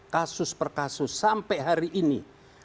kasus per kasus sampai hari ini